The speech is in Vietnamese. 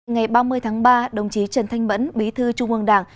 ngày ba mươi tháng ba đồng chí trần thanh mẫn bí thư trung ương đảng